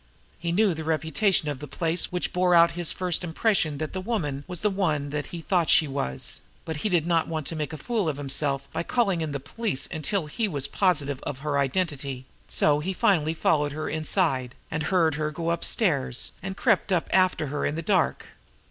He knew the reputation of the place, which bore out his first impression that the woman was the one he thought she was; but he did not want to make a fool of himself by calling in the police until he was positive of her identity, so he finally followed her inside, and heard her go upstairs, and crept up after her in the dark.